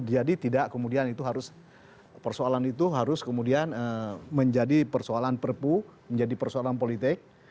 jadi tidak kemudian itu harus persoalan itu harus kemudian menjadi persoalan perpu menjadi persoalan politik